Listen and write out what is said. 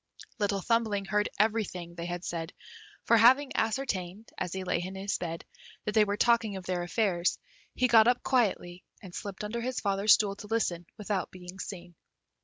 Little Thumbling heard everything they had said, for having ascertained, as he lay in his bed, that they were talking of their affairs, he got up quietly, and slipped under his father's stool to listen, without being seen.